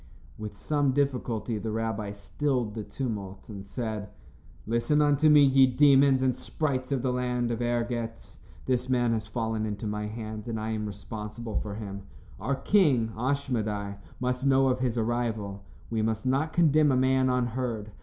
With some difficulty, the rabbi stilled the tumult, and said: "Listen unto me, ye demons and sprites of the land of Ergetz. This man has fallen into my hands, and I am responsible for him. Our king, Ashmedai, must know of his arrival. We must not condemn a man unheard.